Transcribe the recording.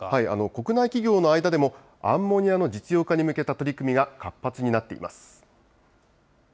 国内企業の間でも、アンモニアの実用化に向けた取り組みが活発になっています。